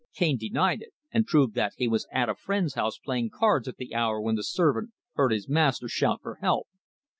Cane denied it, and proved that he was at a friend's house playing cards at the hour when the servant heard his master shout for help.